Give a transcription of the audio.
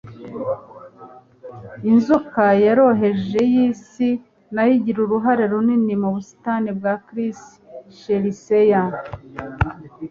Inzoka yoroheje yisi nayo igira uruhare runini mu busitani bwa Chris 'Chelsea.